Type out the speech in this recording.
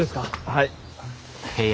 はい。